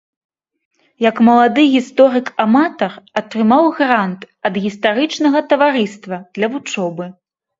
Як малады гісторык-аматар атрымаў грант ад гістарычнага таварыства для вучобы.